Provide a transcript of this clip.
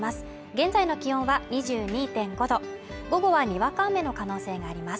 現在の気温は２２．５度午後はにわか雨の可能性があります。